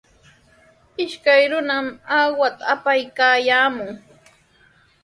Ishkay runami aquta apaykaayaamun.